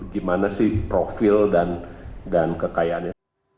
gimana sih profil dan kekayaannya